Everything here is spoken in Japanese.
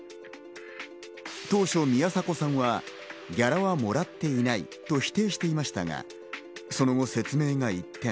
当初、宮迫さんはギャラはもらっていないと否定していましたが、その後説明が一転。